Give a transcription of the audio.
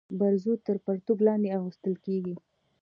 برزو تر پرتوګ لاندي اغوستل کيږي.